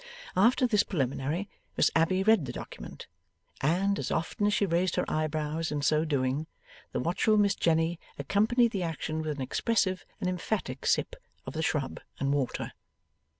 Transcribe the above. After this preliminary, Miss Abbey read the document; and, as often as she raised her eyebrows in so doing, the watchful Miss Jenny accompanied the action with an expressive and emphatic sip of the shrub and water.